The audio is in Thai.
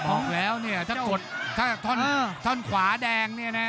ออกแล้วเนี่ยถ้ากดถ้าท่อนขวาแดงเนี่ยนะ